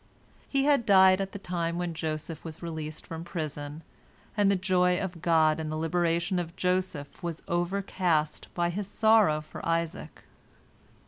He had died at the time when Joseph was released from prison, and the joy of God in the liberation of Joseph was overcast by His sorrow for Isaac.